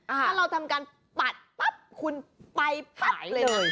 ถ้าเราทำการปัดปั๊บคุณไปปั๊บเลย